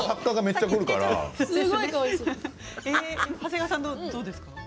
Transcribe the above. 長谷川さん、どうですか？